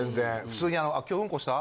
普通に。